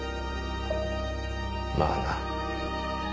まあな。